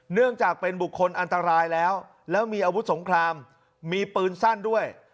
เนื่องจากเป็นบุคคลอันตรายแล้วแล้วมีอาวุธสงครามมีปืนสั้นด้วย